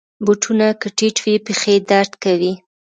بوټونه که ټیټ وي، پښې درد کوي.